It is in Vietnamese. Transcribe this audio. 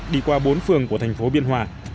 đi qua bốn phường của thành phố biên hòa